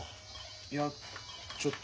いやちょっと。